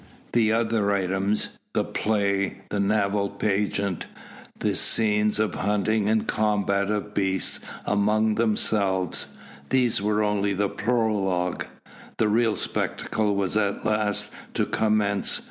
The other items the play, the naval pageant, the scenes of hunting and combat of beasts amongst themselves these were only the prologue. The real spectacle was at last to commence.